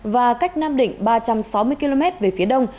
và cách nam định ba trăm sáu mươi km về phía đông